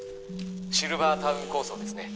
「シルバータウン構想ですね」